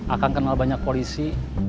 akan kenal banyak polisi